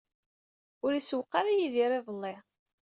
Ur isewweq ara Yidir iḍelli.